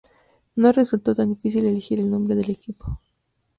No resultó tan difícil elegir el nombre del equipo.